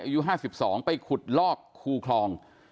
อายุ๕๒ไปขุดลอกคูคลอง